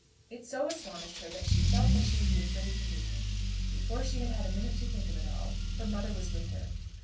It so astonished her that she felt that she would be afraid to meet him. Before she had had a minute to think of it all, her mother was with her.